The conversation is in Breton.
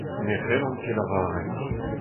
Ne c'hellan ket lavaret.